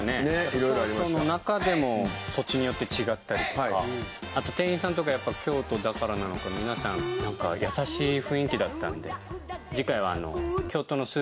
京都の中でも土地によって違ったりとかあと店員さんとかやっぱ京都だからなのか皆さんなんか優しい雰囲気だったんで。